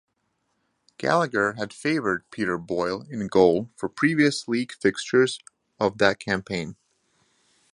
Gallagher had favoured Peter Boyle in goal for previous league fixtures of that campaign.